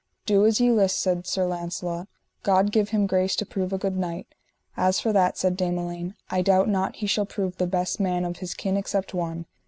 Do as ye list, said Sir Launcelot; God give him grace to prove a good knight. As for that, said Dame Elaine, I doubt not he shall prove the best man of his kin except one.